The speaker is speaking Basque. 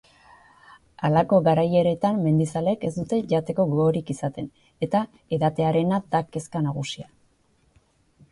Halako garaieretan mendizaleek ez dute jateko gogorik izaten eta edatearena da kezka nagusia.